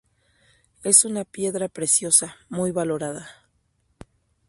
Es una piedra preciosa muy valorada.